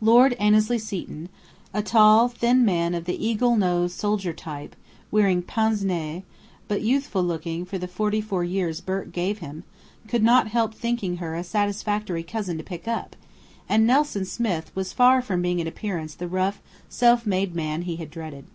Lord Annesley Seton, a tall thin man of the eagle nosed soldier type, wearing pince nez, but youthful looking for the forty four years Burke gave him, could not help thinking her a satisfactory cousin to pick up: and Nelson Smith was far from being in appearance the rough, self made man he had dreaded.